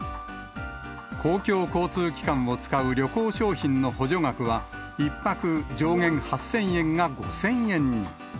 公共交通機関を使う旅行商品の補助額は、１泊上限８０００円が５０００円に。